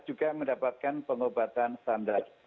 juga mendapatkan pengobatan standar